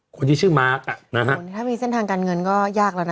คนที่ชื่อมาร์คอ่ะนะฮะถ้ามีเส้นทางการเงินก็ยากแล้วนะ